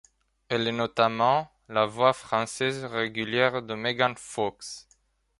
Elle est notamment la voix française régulière de Megan Fox.